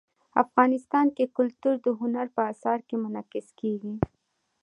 افغانستان کې کلتور د هنر په اثار کې منعکس کېږي.